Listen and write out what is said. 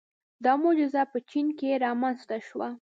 • دا معجزه په چین کې رامنځته شوه.